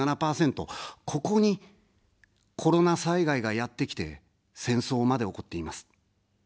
ここに、コロナ災害がやってきて、戦争まで起こっています。